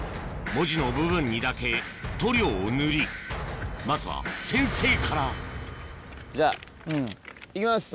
文字の部分にだけ塗料を塗りまずは先生からじゃあ行きます。